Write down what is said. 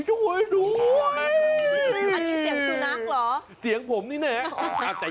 อันนี้เสียงสุนัขเหรอเสียงผมนี่แน่